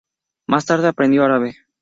Más tarde aprendió árabe.